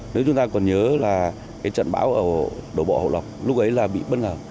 nếu chúng ta còn nhớ là cái trận bão ở đổ bộ hậu lộc lúc ấy là bị bất ngờ